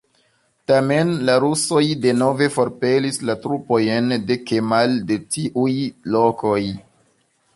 Tamen, la rusoj denove forpelis la trupojn de Kemal de tiuj lokoj.